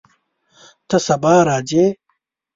ته سبا راځې؟